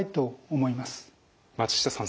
松下さん